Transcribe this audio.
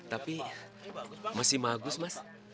tapi masih bagus mas